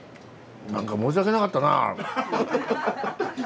何か申し訳なかったな。